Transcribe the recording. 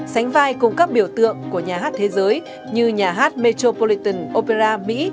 sánh vai cùng các biểu tượng của nhà hát thế giới như nhà hát metropoliton opera mỹ